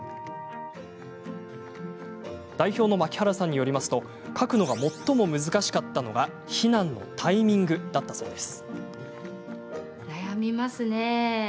代表の槙原さんによると書くのが最も難しかったのが避難のタイミングだったそうです。